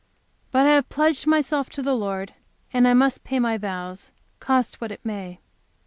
But I have pledged myself to the Lord, and I must pay my vows, cost what it may.